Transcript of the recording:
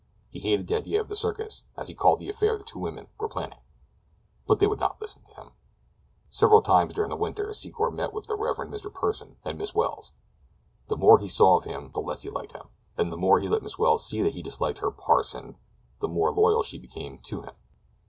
He hated the idea of "the circus," as he called the affair the two women were planning. But they would not listen to him. Several times during the winter Secor met the Rev. Mr. Pursen at Miss Welles's. The more he saw of him the less he liked him, and the more he let Miss Welles see that he disliked her "parson," the more loyal she became to him.